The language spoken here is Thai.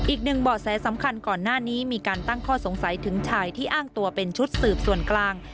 เบาะแสสำคัญก่อนหน้านี้มีการตั้งข้อสงสัยถึงชายที่อ้างตัวเป็นชุดสืบส่วนกลาง